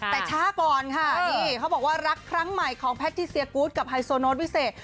แต่ช้าก่อนค่ะนี่เขาบอกว่ารักครั้งใหม่ของแพทิเซียกูธกับไฮโซโน้ตวิเศษ